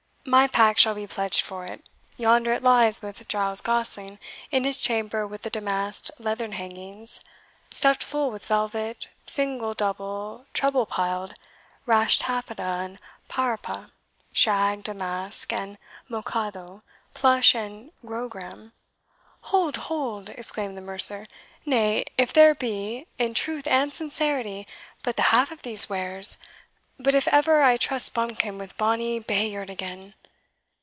"My pack shall be pledged for it yonder it lies with Giles Gosling, in his chamber with the damasked leathern hangings, stuffed full with velvet, single, double, treble piled rash taffeta, and parapa shag, damask, and mocado, plush, and grogram " "Hold! hold!" exclaimed the mercer; "nay, if there be, in truth and sincerity, but the half of these wares but if ever I trust bumpkin with bonny Bayard again!"